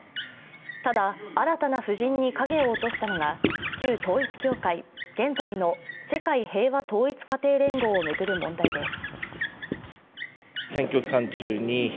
ただ、新たな布陣に影を落としたのが旧統一教会、現在の世界平和統一家庭連合を巡る問題です。